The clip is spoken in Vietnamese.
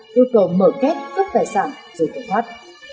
đối tượng mở két cướp tài sản rồi tẩu thoát